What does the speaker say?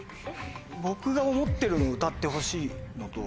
僕が思ってるのを歌ってほしいのと。